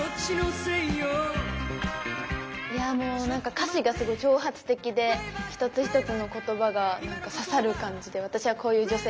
いやもうなんか歌詞がすごい挑発的で一つ一つの言葉がなんか刺さる感じで私はこういう女性